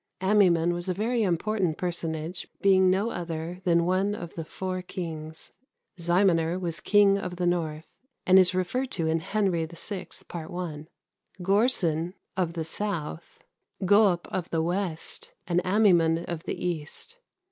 Amaimon was a very important personage, being no other than one of the four kings. Ziminar was King of the North, and is referred to in "Henry VI. Part I.;" Gorson of the South; Goap of the West; and Amaimon of the East.